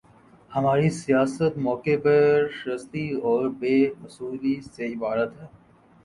ہماری سیاست موقع پرستی اور بے اصولی سے عبارت ہے۔